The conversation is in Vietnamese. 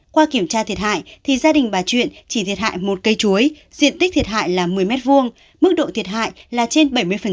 qua kiểm tra thiệt hại thì gia đình bà chuyện chỉ thiệt hại một cây chuối diện tích thiệt hại là một mươi m hai mức độ thiệt hại là trên bảy mươi